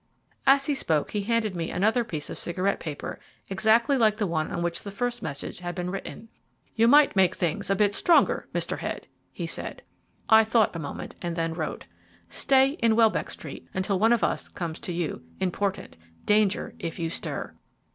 As he spoke he handed me another piece of cigarette paper, exactly like the one on which the first message had been written. "You might make things a bit stronger, Mr. Head," he said. I thought a moment, and then wrote: "Stay in Welbeck Street until one of us comes to you. Important. Danger if you stir."